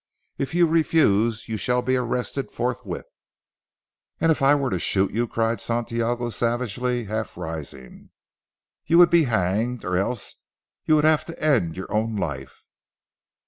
If you refuse you shall be arrested forthwith." "And if I were to shoot you?" cried Santiago savagely half rising. "You would be hanged, or else you would have to end your own life.